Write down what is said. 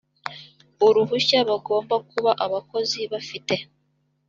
uruhushya bagomba kuba abakozi bafite